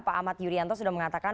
pak ahmad yuryanto sudah mengatakan